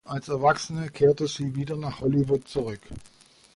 Als Erwachsene kehrte sie wieder nach Hollywood zurück.